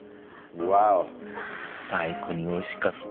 最高においしかった。